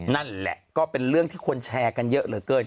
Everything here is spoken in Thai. นั่นแหละก็เป็นเรื่องที่คนแชร์กันเยอะเหลือเกิน